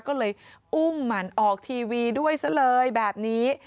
ก็เลยอุ้มมันออกทีวีด้วยซะเลยแบบนี้